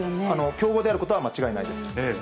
強豪であることは間違いないです。